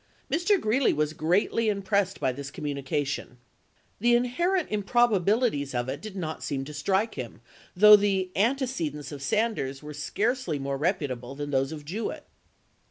Mr. Greeley was greatly impressed by this com munication. The inherent improbabilities of it did not seem to strike him, though the antece dents of Sanders were scarcely more reputable than those of Jewett.